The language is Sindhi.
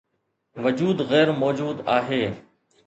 وجود غير موجود آهي